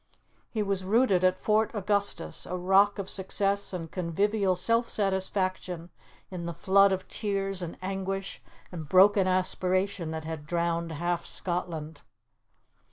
He was rooted at Fort Augustus, a rock of success and convivial self satisfaction in the flood of tears and anguish and broken aspiration that had drowned half Scotland.